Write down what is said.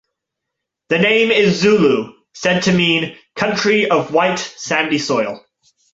The name is Zulu, said to mean 'country of white, sandy soil'.